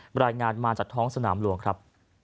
รายงานมาจากท้องสนามหลวงครับ